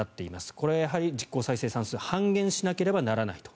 これはやはり実効再生産数半減しなければならないと。